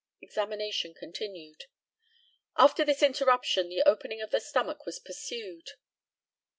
Examination continued: After this interruption the opening of the stomach was pursued.